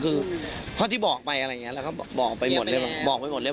คือเพราะที่บอกไปอะไรอย่างนี้